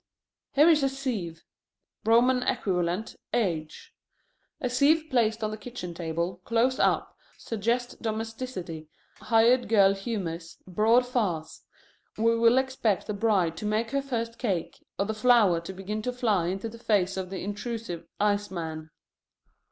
Here is a sieve: Roman equivalent, H. A sieve placed on the kitchen table, close up, suggests domesticity, hired girl humors, broad farce. We will expect the bride to make her first cake, or the flour to begin to fly into the face of the intrusive ice man.